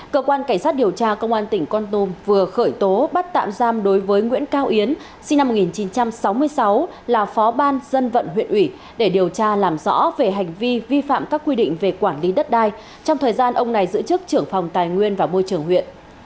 cơ quan cảnh sát điều tra công an tỉnh con tum vừa khởi tố bắt tạm giam đối với nguyễn cao yến sinh năm một nghìn chín trăm sáu mươi sáu là phó ban dân vận huyện ủy để điều tra làm rõ về hành vi vi phạm các quy định về quản lý đất đai trong thời gian ông này giữ chức trưởng phòng tài nguyên và môi trường huyện